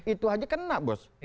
itu aja kena bos